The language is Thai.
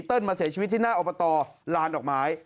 เติ้ลมาเสียชีวิตที่หน้าออกมาต่อลานดอกไม้